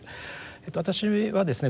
私はですね